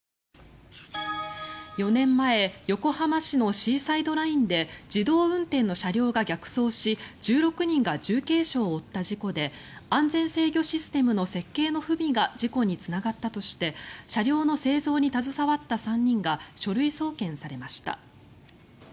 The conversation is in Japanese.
４年前横浜市のシーサイドラインで自動運転の車両が逆走し１６人が重軽傷を負った事故で安全制御システムの設計の不備が事故につながったとして車両の製造に携わった３人が書類送検されました。